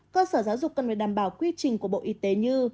cơ sở giáo dục cần phải đảm bảo quy trình của bộ y tế như